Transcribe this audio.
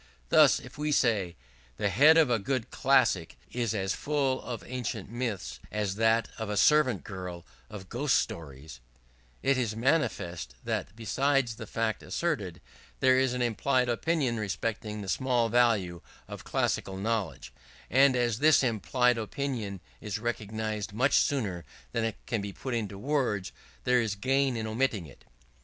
Thus, if we say, "The head of a good classic is as full of ancient myths, as that of a servant girl of ghost stories"; it is manifest that besides the fact asserted, there is an implied opinion respecting the small value of classical knowledge: and as this implied opinion is recognized much sooner than it can be put into words, there is gain in omitting it.